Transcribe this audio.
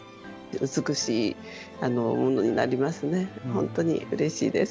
本当にうれしいです。